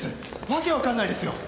訳わかんないですよ。